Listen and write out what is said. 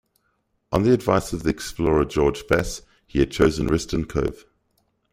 On the advice of the explorer George Bass he had chosen Risdon Cove.